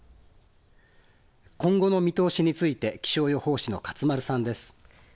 今後の見通しについて気象予報士の勝丸さんです。